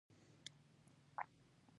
اګادیر ښار د اتلانتیک سمندر په غاړه دی.